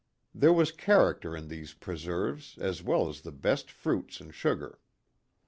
There was character in these preserves as well as the best fruits and sugar.